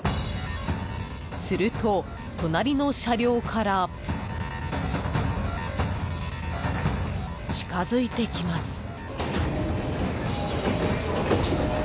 すると、隣の車両から近づいてきます。